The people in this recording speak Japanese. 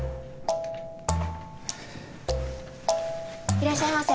いらっしゃいませ。